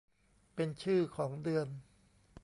เป็นชื่อของเดือน